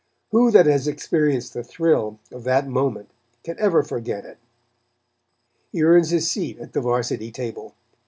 Who that has experienced the thrill of that moment can ever forget it? He earns his seat at the Varsity table.